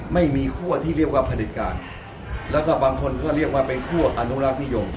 ไม่มีคั่วที่เรียกว่าผลิตการแล้วก็บางคนก็เรียกว่าเป็นคั่วอนุรักษ์นิยม